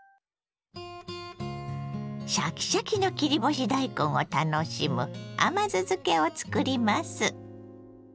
シャキシャキの切り干し大根を楽しむ甘酢漬けを作ります。